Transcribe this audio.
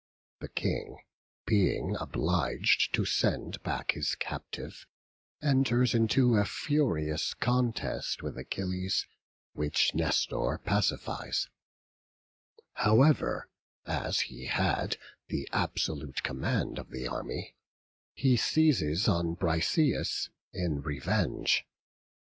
The King being obliged to send back his captive, enters into a furious contest with Achilles, which Nestor pacifies; however, as he had the absolute command of the army, he seizes on Briseis in revenge.